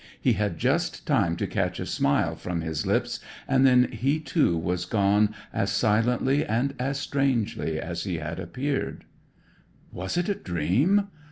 He had just time to catch a smile from his lips and then he, too, was gone as silently and as strangely as he had appeared. Was it a dream?